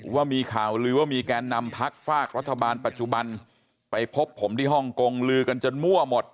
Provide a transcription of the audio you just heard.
ว่ามีข่าวลือว่ามีแกนนำพักฝากรัฐบาลปัจจุบันไปพบผมที่ฮ่องกงลือกันจนมั่วหมด